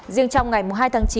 riêng trong ngày hai tháng chín